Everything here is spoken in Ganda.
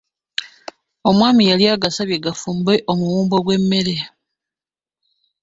Omwami yali agasabye gafumbe omuwumbo gw’emmere.